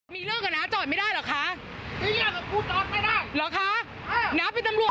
มีเรื่องกับน้ำจ่อยไม่ได้หรอค่ะไม่ได้หรอค่ะน้ำเป็นตำร่วหรือ